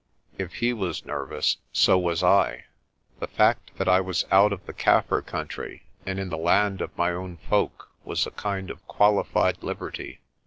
If he was nervous, so was I. The fact that I was out of the Kaffir country and in the land of my own folk was a kind of qualified liberty.